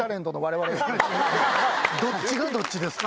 どっちがどっちですか？